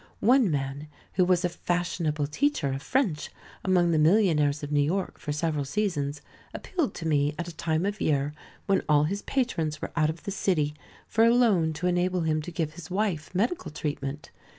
One man, who was a fashionable teacher of French among the millionaires of New York for several seasons, appealed to me at a time of year when all his patrons were out of the city for a loan to enable him to give his wife medical treatment.